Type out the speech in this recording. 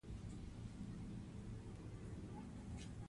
طبیعت د ذهني فشار کمولو کې مرسته کوي.